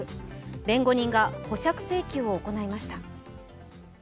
弁護人が保釈請求を行いました。